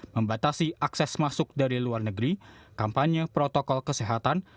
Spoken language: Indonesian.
membatasi akses masuk dari luar negeri kampanye protokol kesehatan